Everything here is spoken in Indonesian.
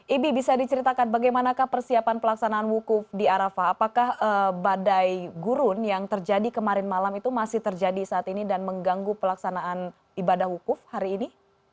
ibi bisa diceritakan bagaimanakah persiapan pelaksanaan wukuf di arafah apakah badai gurun yang terjadi kemarin malam itu masih terjadi saat ini dan mengganggu pelaksanaan ibadah wukuf hari ini